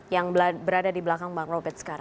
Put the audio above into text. yang berada di belakang bang robet